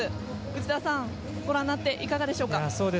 内田さん、ご覧になっていかがでしょうか。